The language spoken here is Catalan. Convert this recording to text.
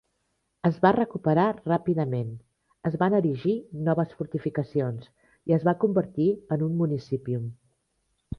Es va recuperar ràpidament, es van erigir noves fortificacions i es va convertir en un "municipium".